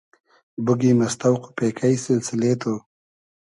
بوگیم از تۆق و پېکݷ سیلسیلې تو